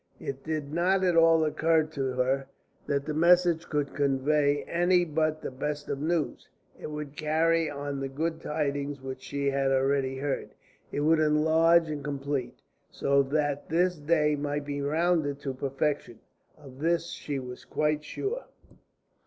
It did not at all occur to her that the message could convey any but the best of news. It would carry on the good tidings which she had already heard. It would enlarge and complete, so that this day might be rounded to perfection. Of this she was quite sure.